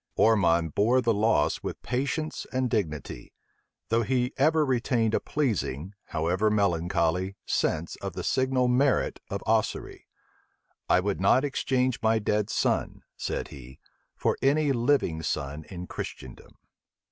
Ormond bore the loss with patience and dignity; though he ever retained a pleasing, however melancholy, sense of the signal merit of Ossory. "I would not exchange my dead son," said he, "for any living son in Christendom."